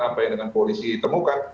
apa yang dengan polisi temukan